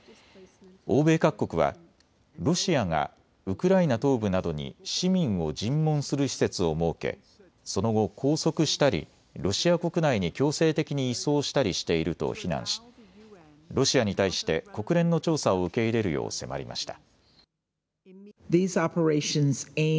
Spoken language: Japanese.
欧米各国はロシアがウクライナ東部などに市民を尋問する施設を設けその後、拘束したりロシア国内に強制的に移送したりしていると非難し、ロシアに対して国連の調査を受け入れるよう迫りました。